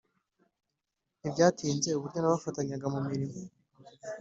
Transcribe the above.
Ntibyatinze uburyo bafatanyaga mu mirimo